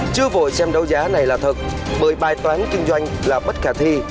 chưa vội xem đấu giá này là thật bởi bài toán kinh doanh là bất khả thi